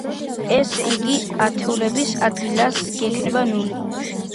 ესე იგი, ათეულების ადგილას გვექნება ნული.